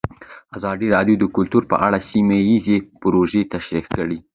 ازادي راډیو د کلتور په اړه سیمه ییزې پروژې تشریح کړې.